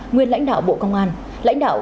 nguyên lãnh đạo bộ công an lãnh đạo